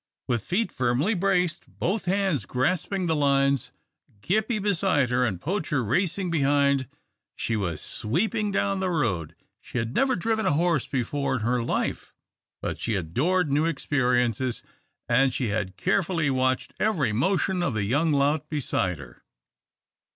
With feet firmly braced, both hands grasping the lines, Gippie beside her, and Poacher racing behind, she was sweeping down the road. She had never driven a horse before in her life, but she adored new experiences, and she had carefully watched every motion of the young lout beside her.